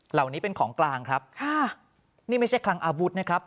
เหล่านี้เป็นของกลางครับค่ะนี่ไม่ใช่คลังอาวุธนะครับ